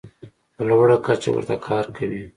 په لوړه کچه ورته کار کوي.